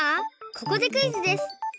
ここでクイズです。